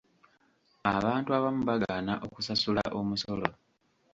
Abantu abamu bagaana okusasula omusolo.